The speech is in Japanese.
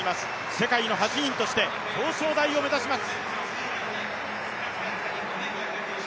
世界の８人として表彰台を目指します！